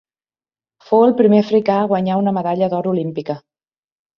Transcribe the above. Fou el primer africà a guanyar una medalla d'or olímpica.